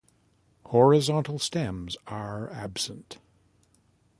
Horizontal stems are absent.